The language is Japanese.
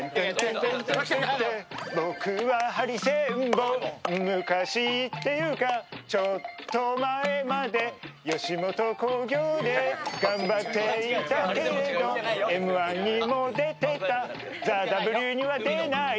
僕はハリセンボン、昔っていうか、ちょっと前まで吉本興業で頑張っていたけれど、「Ｍ−１」にも出てた、「ＴＨＥＷ」には出ない。